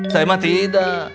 saya mah tidak